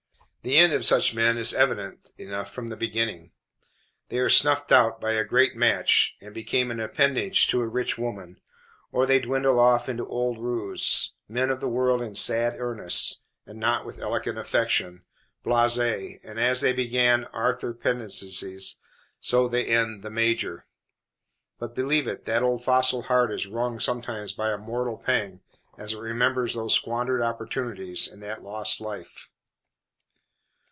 The end of such men is evident enough from the beginning. They are snuffed out by a "great match," and become an appendage to a rich woman; or they dwindle off into old roués, men of the world in sad earnest, and not with elegant affectation, blasé; and as they began Arthur Pendennises, so they end the Major. But, believe it, that old fossil heart is wrung sometimes by a mortal pang, as it remembers those squandered opportunities and that lost life.